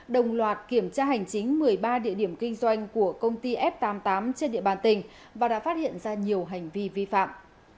đồng loạt kiểm tra hành chính một mươi ba địa điểm kinh doanh của công ty f tám mươi tám trên địa bàn tỉnh và đã phát hiện ra nhiều hành vi vi phạm